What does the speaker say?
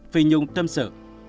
phi nhung tâm sự